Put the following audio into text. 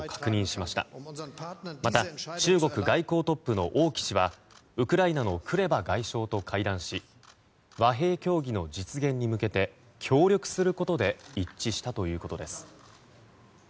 また中国外交トップの王毅氏はウクライナのクレバ外相と会談し和平協議の実現に向けて協力することで一致したということです。